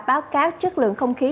báo cáo chất lượng không khí